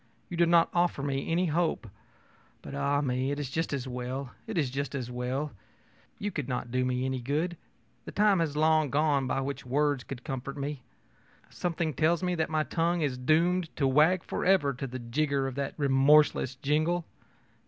You do not offer me any hope. But, ah me, it is just as well it is just as well. You could not do me any good. The time has long gone by when words could comfort me. Something tells me that my tongue is doomed to wag forever to the jigger of that remorseless jingle.